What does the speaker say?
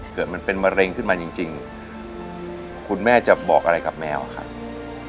เกิดมันเป็นมะเร็งขึ้นมาจริงคุณแม่จะบอกอะไรกับแมวครับ